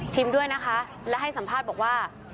ด้วยนะคะและให้สัมภาษณ์บอกว่า